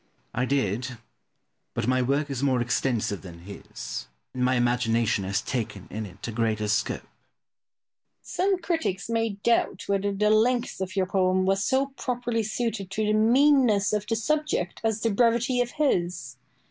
Pope. I did; but my work is more extensive than his, and my imagination has taken in it a greater scope. Boileau. Some critics may doubt whether the length of your poem was so properly suited to the meanness of the subject as the brevity of his.